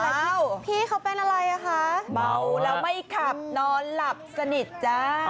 แล้วพี่เขาเป็นอะไรอ่ะคะเมาแล้วไม่ขับนอนหลับสนิทจ้า